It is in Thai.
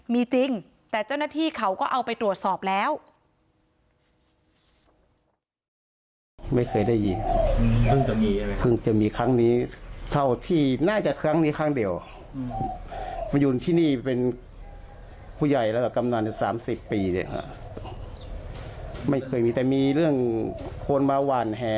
มีจริงแต่เจ้าหน้าที่เขาก็เอาไปตรวจสอบแล้ว